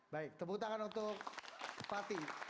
baik tepuk tangan untuk bupati